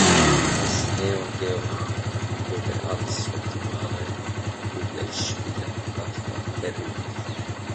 Das Neo Geo wurde als optimale Prügelspiele-Plattform berühmt.